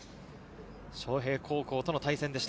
昌平高校との対戦でした。